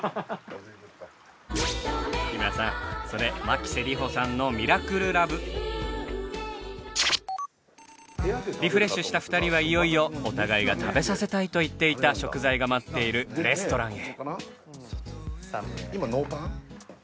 日村さんリフレッシュした２人はいよいよお互いが食べさせたいと言っていた食材が待っているレストランへ。